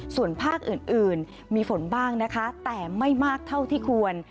ส่วนภาคอื่นมีฝนบ้างนะคะแต่ไม่มากเท่าที่ควร